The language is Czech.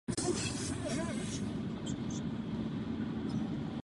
V předním i zadním čele se nacházela přes celou šířku vozu lavice.